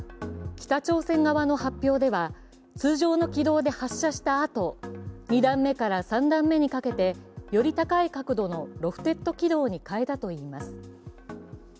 北朝鮮側の発表では通常の軌道で発射したあと２段目から３段目にかけて、より高い角度のロフテッド軌道に変えたといいます。